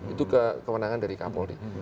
itu kemenangan dari kak polri